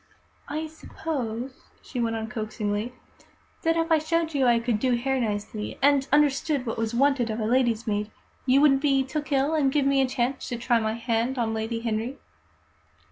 "I suppose," she went on coaxingly, "that if I showed you I could do hair nicely, and understood what was wanted of a lady's maid, you wouldn't be took ill, and give me a chance to try my hand on Lady Henry?